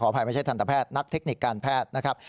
อภัยไม่ใช่ทันตแพทย์นักเทคนิคการแพทย์นะครับ